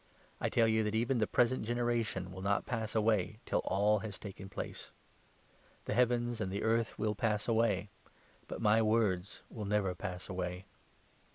I tell you that even 32 the present generation will not pass away till all has taken place. The heavens and the earth will pass away, but my 33 words will never pass away.